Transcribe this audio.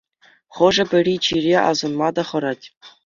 Хӑшӗ-пӗри чире асӑнма та хӑрать.